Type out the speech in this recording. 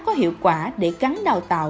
có hiệu quả để gắn đào tạo